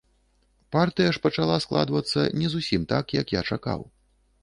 Партыя ж пачала складвацца не зусім так, як я чакаў.